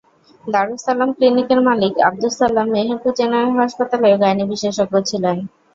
দারুস সালাম ক্লিনিকের মালিক আবদুস সালাম মেহেরপুর জেনারেল হাসপাতালের গাইনি বিশেষজ্ঞ ছিলেন।